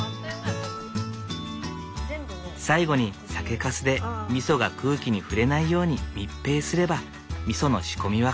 最後に酒かすでみそが空気に触れないように密閉すればみその仕込みは完了。